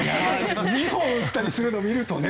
２本打ったりするのを見るとね。